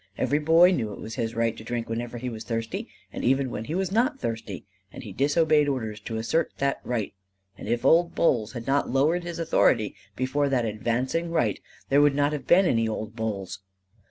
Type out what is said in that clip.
Every boy knew it was his right to drink whenever he was thirsty and even when he was not thirsty; and he disobeyed orders to assert that right. And if old Bowles had not lowered his authority before that advancing right, there would not have been any old Bowles.